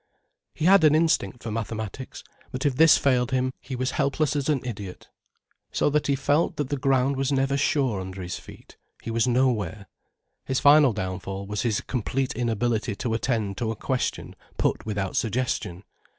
He had an instinct for mathematics, but if this failed him, he was helpless as an idiot. So that he felt that the ground was never sure under his feet, he was nowhere. His final downfall was his complete inability to attend to a question put without suggestion.